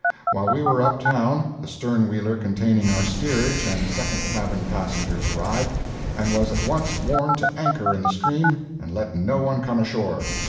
While we were up town the stern wheeler containing our steerage and second cabin passengers arrived, and was at once warned to anchor in the stream and let no one come ashore!